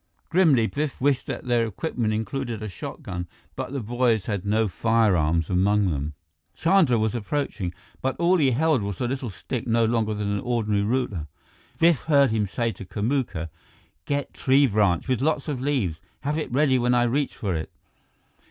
Grimly, Biff wished that their equipment included a shotgun, but the boys had no firearms among them. Chandra was approaching, but all he held was a little stick no longer than an ordinary ruler. Biff heard him say to Kamuka: "Get tree branch with lots of leaves have it ready when I reach for it."